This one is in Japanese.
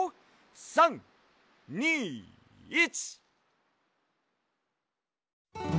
３２１。